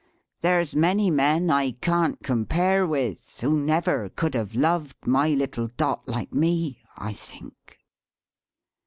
There's many men I can't compare with, who never could have loved my little Dot like me, I think!"